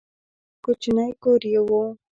کوچنی کور یې و.